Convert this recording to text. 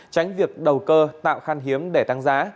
tránh việc đầu cơ tạo khăn hiếm để tăng giá